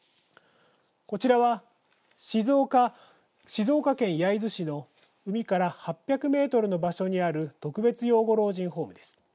こちらは、静岡県焼津市の海から８００メートルの場所にある特別養護老人ホームです。